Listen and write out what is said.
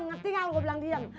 ngerti gak lo gue bilang diam